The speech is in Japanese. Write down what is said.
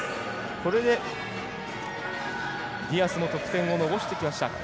これでディアスも得点を伸ばしてきました。